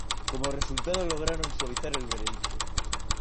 Como resultado, lograron suavizar el veredicto.